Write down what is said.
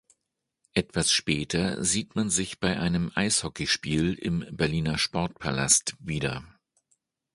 Etwas später sieht man sich bei einem Eishockeyspiel im Berliner Sportpalast wieder.